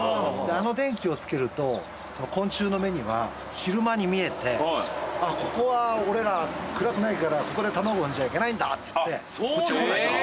あの電気をつけると昆虫の目には昼間に見えて「ここは俺ら暗くないからここで卵産んじゃいけないんだ」っていってこっち来ない。